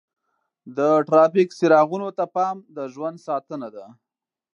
د ټرافیک څراغونو ته پام د ژوند ساتنه ده.